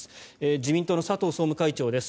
自民党の佐藤総務会長です。